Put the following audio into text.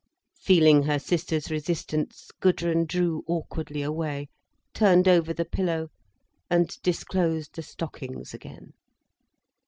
Feeling her sister's resistance, Gudrun drew awkwardly away, turned over the pillow, and disclosed the stockings again.